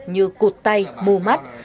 như cụt tay mù mắt